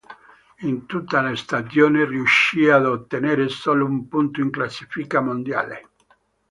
In tutta la stagione riuscì ad ottenere solo un punto in classifica mondiale.